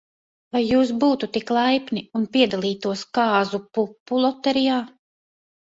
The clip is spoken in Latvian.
Vai jūs būtu tik laipni, un piedalītos kāzu pupu loterijā?